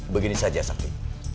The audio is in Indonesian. begini saja sakti